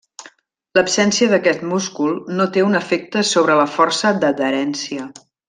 L'absència d'aquest múscul no té un efecte sobre la força d'adherència.